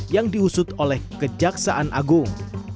yang diusut oleh kejaksaan agung